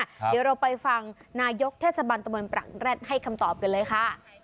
เดี๋ยวเราไปฟังนายกเทศบันตะมนต์ปรักแร็ดให้คำตอบกันเลยค่ะ